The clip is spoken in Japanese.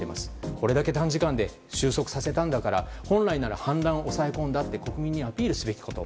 これだけ短時間で収束させたんだから本来なら反乱を抑え込んだと国民にアピールするべきこと。